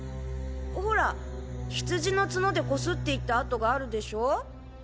ほらヒツジの角でこすっていった跡があるでしょう？